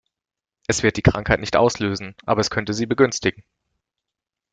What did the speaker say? Es wird die Krankheit nicht auslösen, aber es könnte sie begünstigen.